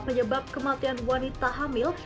penyebab kematian wanita hamil